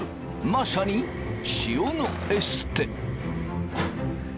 まさに塩のエステ。